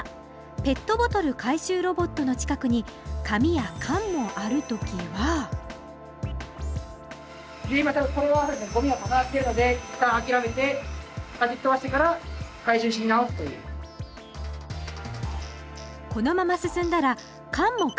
ペットボトル回収ロボットの近くに紙や缶もある時はこのまま進んだら缶も回収してしまいます。